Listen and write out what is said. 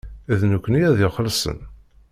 D nekkni ad ixellṣen.